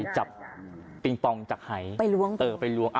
จับปิงปองจากหายไปล้วงเออไปล้วง